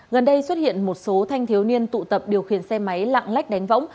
gần đây xuất hiện một số thanh thiếu niên tụ tập điều khiển xe máy lạng lách đánh võng